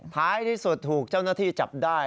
ท้ายที่สุดถูกเจ้าหน้าที่จับได้